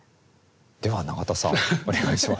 では永田さんお願いします。